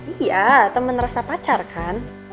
iya teman rasa pacar kan